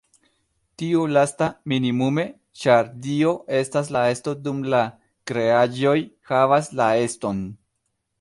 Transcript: Tiu lasta, minimume, ĉar Dio estas la Esto dum la kreaĵoj "havas" la eston.